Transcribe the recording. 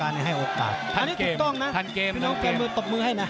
อันนี้ถูกต้องนะพี่น้องแกมือตบมือให้นะ